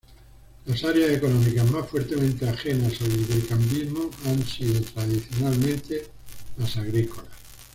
Las áreas económicas más fuertemente ajenas al librecambismo han sido tradicionalmente las agrícolas.